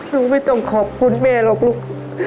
ลุงไม่ต้องขอบคุณแม่หรอกลูก